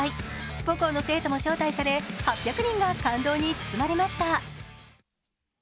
母校の生徒も招待され８００人が感動に包まれました。